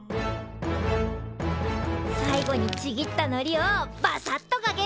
最後にちぎったのりをバサッとかける！